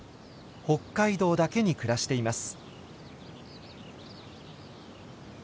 北海道だけに暮らしています。